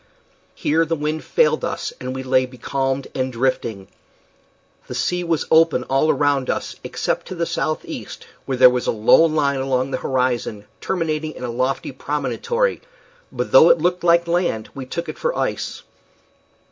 Here the wind failed us, and we lay becalmed and drifting. The sea was open all around us, except to the southeast, where there was a low line along the horizon terminating in a lofty promontory; but though it looked like land we took it for ice.